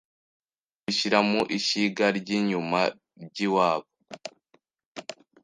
bakabishyira mu ishyiga ry’inyuma ryiwabo